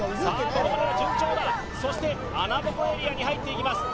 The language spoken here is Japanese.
ここまでは順調だそして穴ぼこエリアに入っていきます